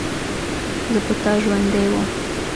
زه په تا ژوندۍ وم.